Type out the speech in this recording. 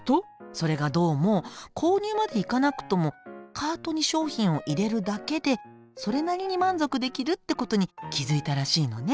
それがどうも購入までいかなくともカートに商品を入れるだけでそれなりに満足できるってことに気付いたらしいのね。